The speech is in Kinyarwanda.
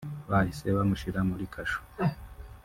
bahise bamushyira muri kasho